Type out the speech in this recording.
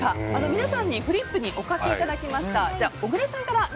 皆さんにフリップにお書きいただきました。